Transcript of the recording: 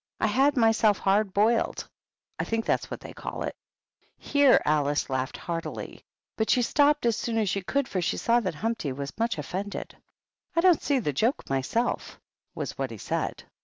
I had myself hard boiled, — I think that's what they call it." 8* 90 HUMPTY DUMPTY. Here AKce laughed heartily ; but she stopped as soon as she could, for she saw that Humpty was much offended. "I don't see the joke my self," was what he said.